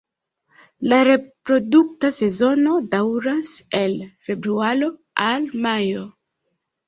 La reprodukta sezono daŭras el februaro al majo.